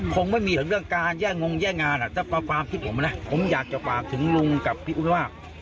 คงไม่มีเรื่องการแย่งงแย่งงานถ้าความคิดผมนะผมอยากจะฝากถึงลุงกับพี่อุ๊ดว่า